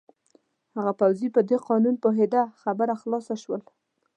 هغه پوځي په دې قانون پوهېده، خبره خلاصه شول.